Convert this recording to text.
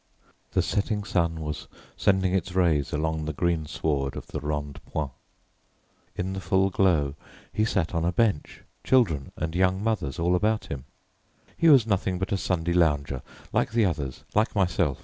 The setting sun was sending its rays along the green sward of the Rond point: in the full glow he sat on a bench, children and young mothers all about him. He was nothing but a Sunday lounger, like the others, like myself.